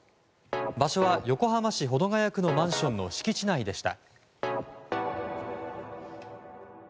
場所は横浜市保土ケ谷区のマンションの敷地内でした。